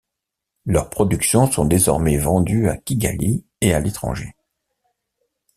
Leurs productions sont désormais vendues à Kigali et à l'étranger.